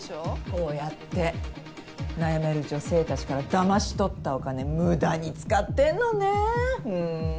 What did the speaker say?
こうやって悩める女性たちからだまし取ったお金無駄に使ってんのねふん。